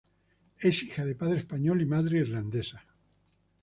Es hija de padre español y madre irlandesa.